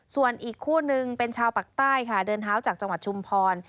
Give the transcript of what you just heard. ส่วนอีกคู่นึงเป็นชาวปากใต้ค่ะเดินเท้าจากจังหวัดชุมพร